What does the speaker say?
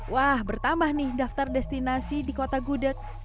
wah bertambah nih daftar destinasi di kota gudeg